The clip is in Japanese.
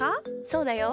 そうだよ。